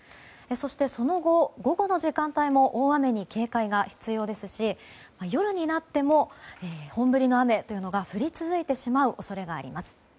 そしてその後、午後の時間帯も大雨に警戒が必要ですし夜になっても本降りの雨が降り続いてしまう恐れがあります。